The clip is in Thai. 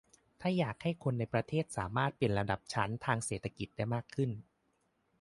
ถ้าอยากให้คนในประเทศสามารถเปลี่ยนลำดับชั้นทางเศรษฐกิจได้มากขึ้น